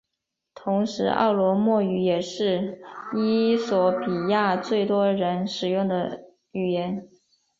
同时奥罗莫语也是衣索比亚最多人使用的语言。